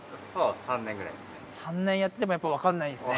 ３年やってても分かんないんですね